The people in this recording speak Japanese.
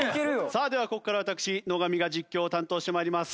さあではここから私野上が実況を担当して参ります。